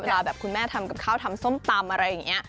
แบบคุณแม่ทำกับข้าวทำส้มตำอะไรอย่างนี้